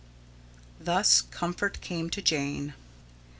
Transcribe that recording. Thus comfort came to Jane.